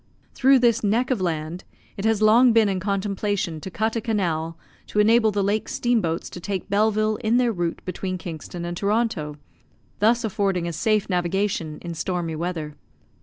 Through this neck of land it has long been in contemplation to cut a canal to enable the lake steam boats to take Belleville in their route between Kingston and Toronto, thus affording a safe navigation in stormy weather.